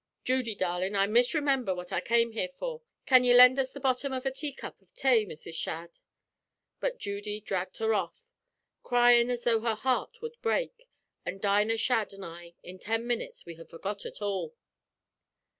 Judy, darlin', I misremember what I came here for. Can you lend us the bottom av a taycup av tay, Mrs. Shadd?' "But Judy dhragged her off, cryin' as tho' her heart wud break. An' Dinah Shadd an' I, in ten minutes we had forgot ut all."